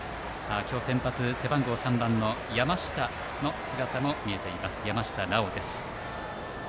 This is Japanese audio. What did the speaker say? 今日先発、背番号３番の山下の姿も見えていました。